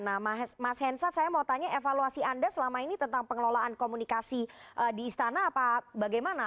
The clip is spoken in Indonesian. nah mas hensat saya mau tanya evaluasi anda selama ini tentang pengelolaan komunikasi di istana apa bagaimana